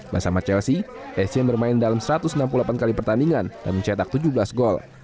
bersama chelsea essien bermain dalam satu ratus enam puluh delapan kali pertandingan dan mencetak tujuh belas gol